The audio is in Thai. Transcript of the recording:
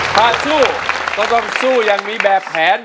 ถ้าสู้ต้องต้องสู้ยังมีแบบแผน